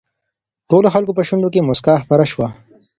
ټولو خلکو په شونډو کې مسکا خپره شوه.